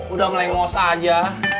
udah melemos aja